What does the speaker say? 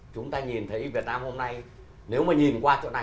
chúng ta nhìn thấy việt nam hôm nay nếu mà nhìn qua chỗ này